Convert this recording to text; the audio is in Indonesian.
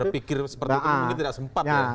berpikir seperti itu mungkin tidak sempat ya